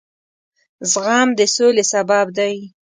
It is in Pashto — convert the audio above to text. زغم د سولې سبب دی.